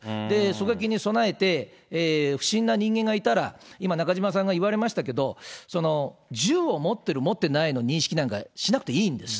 狙撃に備えて、不審な人間がいたら、今、中島さんが言われましたけど、銃を持ってる、持ってないの認識なんかしなくていいんです。